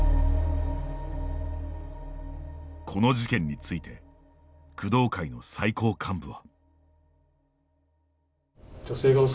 この事件について工藤会の最高幹部は。